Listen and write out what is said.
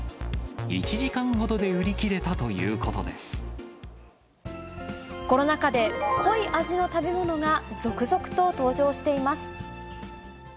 １時間ほどで売り切れたというこコロナ禍で、濃い味の食べ物が続々と登場しています。